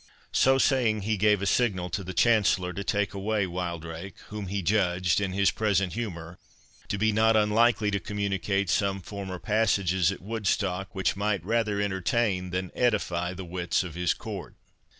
So saying, he gave a signal to the Chancellor to take away Wildrake, whom he judged, in his present humour, to be not unlikely to communicate some former passages at Woodstock which might rather entertain than edify the wits of his court.